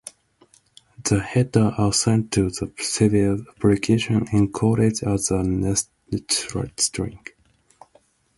The headers are sent to the server application encoded as a netstring.